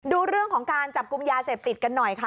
ดูเรื่องของการจับกลุ่มยาเสพติดกันหน่อยค่ะ